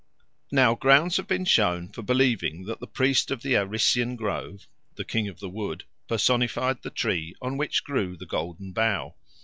Now grounds have been shown for believing that the priest of the Arician grove the King of the Wood personified the tree on which grew the Golden Bough.